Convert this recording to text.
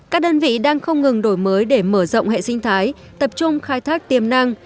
các đơn vị đang không ngừng đổi mới để mở rộng hệ sinh thái tập trung khai thác tiềm năng